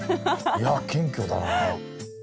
いや謙虚だなあ。